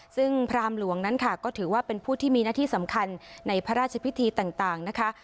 ซึ่งพรามหลวงนั้นค่ะก็ถือว่าเป็นผู้ที่มีหน้าที่สำคัญในพระราชพิธีต่างนะคะ